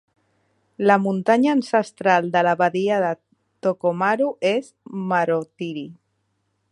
La muntanya ancestral de la badia de Tokomaru és Marotiri.